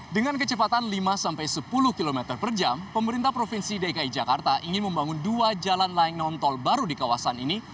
dengan kecepatan lima sampai sepuluh km per jam pemerintah provinsi dki jakarta ingin membangun dua jalan layang nontol baru di kawasan ini